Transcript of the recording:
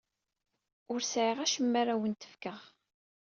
Ur sɛiɣ acemma ara awent-fkeɣ.